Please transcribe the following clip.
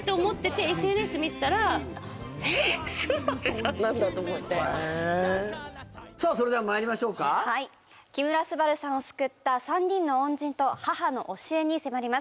「えっ昴さんなんだ！」と思ってそれではまいりましょうか木村昴さんを救った３人の恩人と母の教えに迫ります